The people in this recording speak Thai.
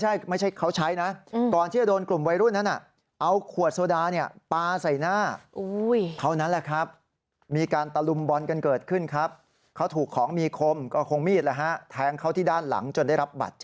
ทำอะไรก็ผิดสัมพุทธิ์